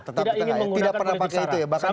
tidak ingin menggunakan politik saran